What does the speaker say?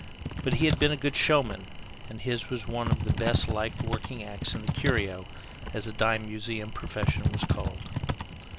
But he had been a good showman and his was one of the best liked working acts in the Curio, as the dime museum profession was called.